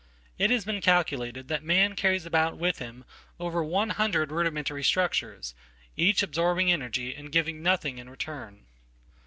It has been calculated that man carries about withhim over one hundred rudimentary structures, each absorbing energyand giving nothing in return.